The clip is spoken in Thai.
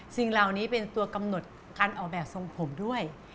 สิ่งเหล่านี้เป็นตัวกำหนดการออกแบบทรงผมด้วย